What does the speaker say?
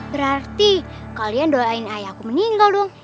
berarti kalian doain ayahku meninggal dong